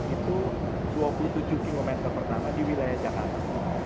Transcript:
itu dua puluh tujuh km pertama di wilayah jakarta